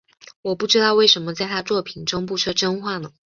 我不知道为什么在他作品中不说真话呢？